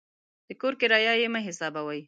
د کور کرایه یې مه حسابوئ.